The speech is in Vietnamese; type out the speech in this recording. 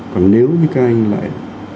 còn nếu như các anh lại